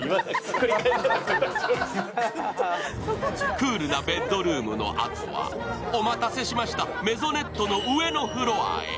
クールなベッドルームのあとはお待たせしました、メゾネットの上のフロアへ。